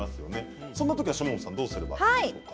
そんな時は島本さんどうすればいいんでしょうか。